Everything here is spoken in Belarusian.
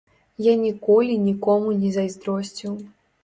Я ніколі нікому не зайздросціў.